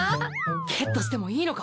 ゲットしてもいいのか？